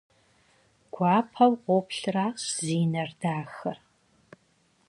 Гуапэу къоплъращ зи нэр дахэр.